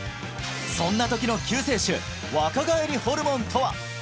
そんなときの救世主若返りホルモンとは！？